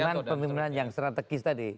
dan itu yang dimaksud pemimpinan yang strategis tadi